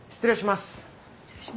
失礼します。